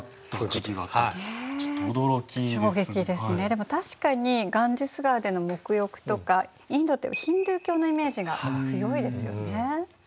でも確かにガンジス川での沐浴とかインドってヒンドゥー教のイメージが強いですよね。